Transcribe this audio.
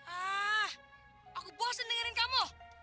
ah aku bosen dengerin kamu